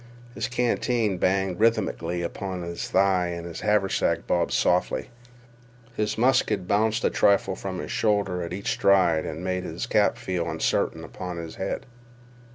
His canteen banged rythmically upon his thigh, and his haversack bobbed softly. His musket bounced a trifle from his shoulder at each stride and made his cap feel uncertain upon his head.